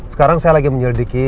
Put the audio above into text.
sekarang saya lagi menyelidiki